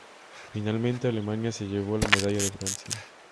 Finalmente, Alemania se llevó la medalla de Bronce.